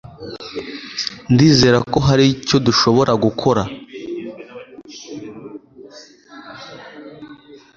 Ndizera ko hari icyo dushobora gukora.